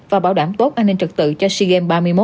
và bảo đảm tốt an ninh trật tự cho sigem ba mươi một